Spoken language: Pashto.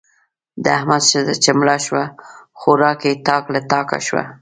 د احمد ښځه چې مړه شوه؛ خوارکی تاک له تاکه شو.